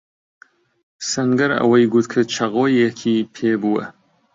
سەنگەر ئەوەی گوت کە چەقۆیەکی پێبووە.